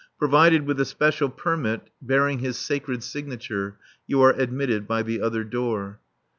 Provided with a special permit bearing his sacred signature, you are admitted by the other door.